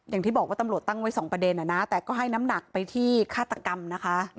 อย่างที่บอกว่าตำรวจตั้งไว้สองประเด็นแต่ก็ให้น้ำหนักไปที่ฆาตกรรมนะคะ